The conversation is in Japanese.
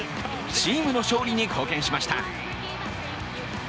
チームの勝利に貢献しました。